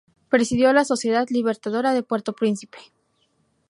Presidió la "Sociedad Libertadora de Puerto Príncipe".